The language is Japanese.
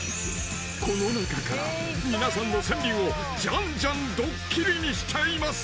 ［この中から皆さんの川柳をじゃんじゃんドッキリにしちゃいます］